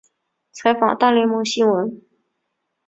采访大联盟新闻。